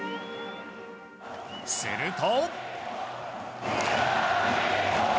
すると。